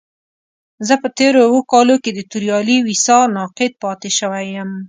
زه په تېرو اوو کالو کې د توريالي ويسا ناقد پاتې شوی يم.